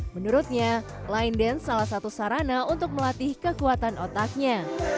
menurutnya line dance salah satu sarana untuk melatih kekuatan otaknya